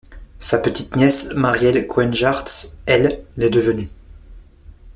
Sa petite-nièce, Marielle Coenjaerts, elle, l’est devenue.